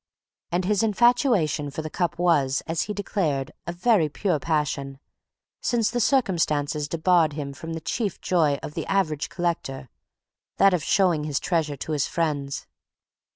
And his infatuation for the cup was, as he declared, a very pure passion, since the circumstances debarred him from the chief joy of the average collector, that of showing his treasure to his friends.